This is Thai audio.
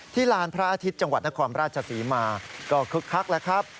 ลานพระอาทิตย์จังหวัดนครราชศรีมาก็คึกคักแล้วครับ